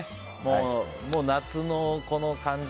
夏のこの感じ。